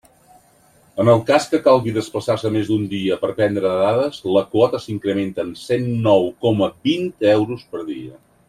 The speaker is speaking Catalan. En el cas que calgui desplaçar-se més d'un dia per a prendre dades, la quota s'incrementa en cent nou coma vint euros per dia.